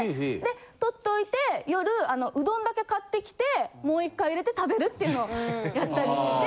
取っといて夜うどんだけ買ってきてもう１回入れて食べるっていうのをやったりしてて。